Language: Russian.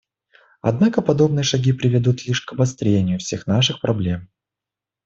Однако подобные шаги приведут лишь к обострению всех наших проблем.